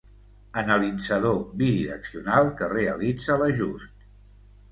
analitzador bidireccional que realitza l'ajust